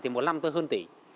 thì một năm tôi hơn tỷ